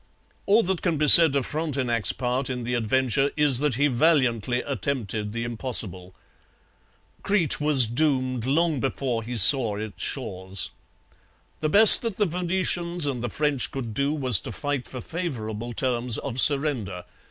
All that can be said of Frontenac's part in the adventure is that he valiantly attempted the impossible. Crete was doomed long before he saw its shores. The best that the Venetians and the French could do was to fight for favourable terms of surrender.